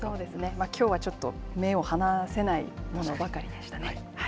きょうはちょっと目の離せないものばかりでしたね。